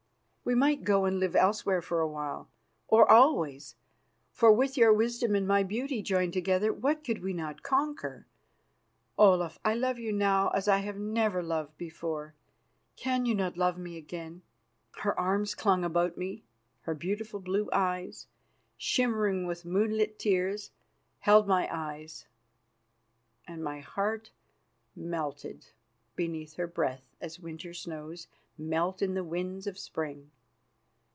We might go and live elsewhere for awhile, or always, for with your wisdom and my beauty joined together what could we not conquer? Olaf, I love you now as I have never loved before, cannot you love me again?" Her arms clung about me; her beautiful blue eyes, shimmering with moonlit tears, held my eyes, and my heart melted beneath her breath as winter snows melt in the winds of spring.